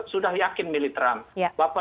sudah yakin milih trump